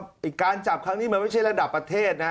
นี่การจับค้างนี่มันไม่ใช่ละดับประเทศนะ